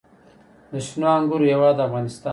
د شنو انګورو هیواد افغانستان.